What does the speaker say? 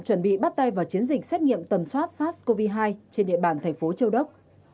chuẩn bị bắt tay vào chiến dịch xét nghiệm tầm soát sars cov hai trên địa bàn thành phố châu đốc